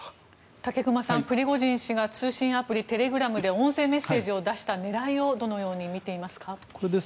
武隈さん、プリゴジン氏が通信アプリ、テレグラムで音声メッセージを出した狙いをどのように見ていますか？